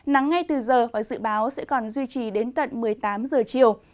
nắng ngay từ giờ và dự báo sẽ còn duy trì đến tận một mươi tám giờ chiều